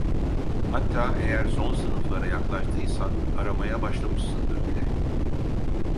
Hatta, eğer son sınıflara yaklaştıysan aramaya başlamışsındır bile…